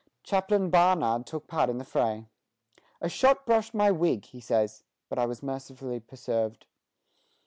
Chaplain Barnard took part in the fray. "A shot brushed my wig," he says, "but I was mercifully preserved.